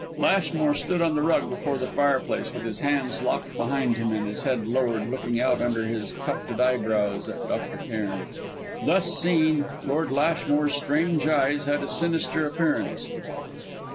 Lashmore stood on the rug before the fireplace, with his hands locked behind him and his head lowered, looking out under his tufted eyebrows at Dr. Cairn. Thus seen, Lord Lashmore's strange eyes had a sinister appearance.